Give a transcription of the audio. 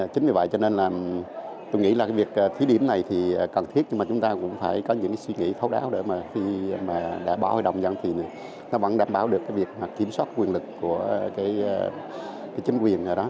chính vì vậy tôi nghĩ việc thí điểm này cần thiết nhưng chúng ta cũng phải có những suy nghĩ thấu đáo để khi bỏ hội đồng nhân dân nó vẫn đảm bảo được việc kiểm soát quyền lực của chính quyền